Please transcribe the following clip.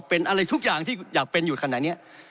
เป็นทุกอย่างที่อยากเป็นอยู่ขณะนี้